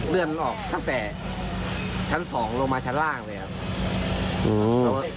เลือดมันออกตั้งแต่ชั้น๒ลงมาชั้นล่างเลยครับ